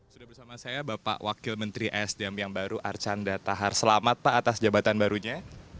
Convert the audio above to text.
sudah bersama saya bapak wakil menteri sdm yang baru arcanda tahar selamat pak atas jabatan barunya